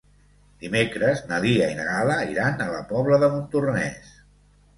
Dimecres na Lia i na Gal·la iran a la Pobla de Montornès.